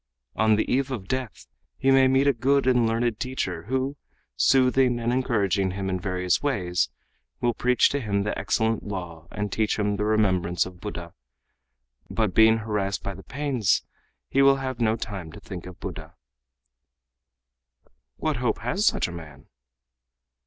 On the eve of death he may meet a good and learned teacher who, soothing and encouraging him in various ways, will preach to him the excellent Law and teach him the remembrance of Buddha, but being harassed by pains', he will have no time to think of Buddha.'" "What hope has such a man?"